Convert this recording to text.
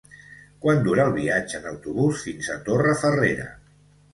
Quant dura el viatge en autobús fins a Torrefarrera?